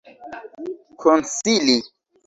konsili